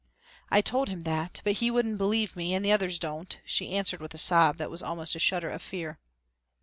"I told him that but he wouldn't believe me and the others don't," she answered with a sob that was almost a shudder of fear.